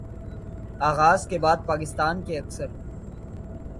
آغاز کے بعد پاکستان کے اکثر